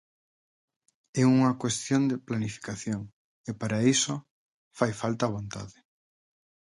É unha cuestión de planificación e, para iso, fai falta vontade.